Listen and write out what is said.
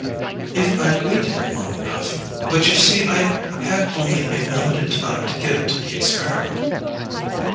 "If I waited long enough—but you see I had only a limited time to give to the experiment."